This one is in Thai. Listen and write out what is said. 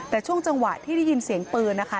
แต่ช่วงจังหวะที่ได้ยินเสียงปืนนะคะ